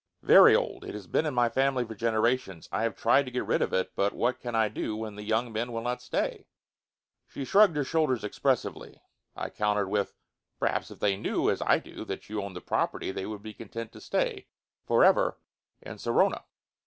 "Very old. It has been in my family for generations. I have tried to get rid of it, but what can I do when the young men will not stay?" She shrugged her shoulders expressively. I countered with, "Perhaps if they knew, as I do, that you owned the property, they would be content to stay, for ever, in Sorona."